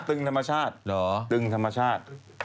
ตึงธรรมชาติเหรอตึงธรรมชาติ